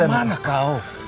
eh kemana kau